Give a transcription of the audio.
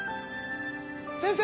・先生！